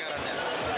dari mana anggarannya